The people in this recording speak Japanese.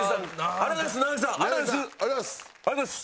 ありがとうございます！